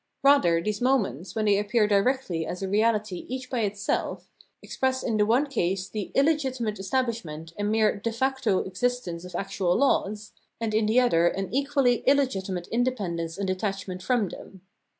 Rather, these moments, when they appear directly as a reahty each by itself, express in the one case the illegitimate estabhshment and mere de facto existence of actual laws, and in the other an equally illegitimate independence and detachment from them.